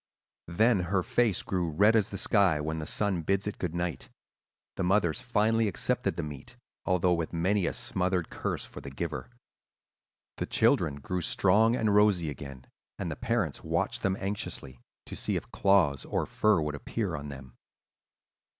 "Then her face grew red as the sky when the sun bids it good night. The mothers finally accepted the meat, although with many a smothered curse for the giver. The children grew strong and rosy again; and the parents watched them anxiously, to see if claws or fur would appear on them.